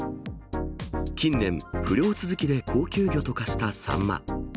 近年、不漁続きで高級魚と化したサンマ。